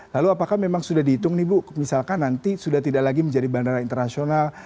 lalu apakah memang sudah dihitung nih bu misalkan nanti sudah tidak lagi menjadi bandara internasional